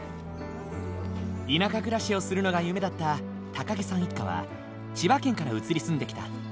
田舎暮らしをするのが夢だった高木さん一家は千葉県から移り住んできた。